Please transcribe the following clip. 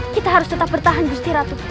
kita harus tetap bertahan istirahat